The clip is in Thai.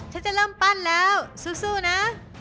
ฉันจะเริ่มปั้นแล้วสู้นะ